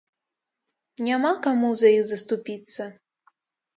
Няма каму за іх заступіцца.